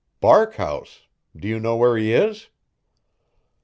"Barkhouse do you know where he is?"